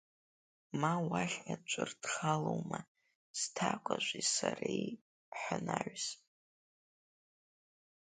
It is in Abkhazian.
Ма уахь аӡәыр дхалоума сҭакәажәи сареи ҳнаҩс.